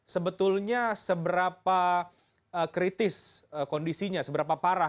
sebetulnya seberapa kritis kondisinya seberapa parah